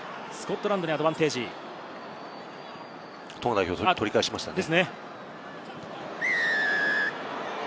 トンガ代表、取り返しましたね。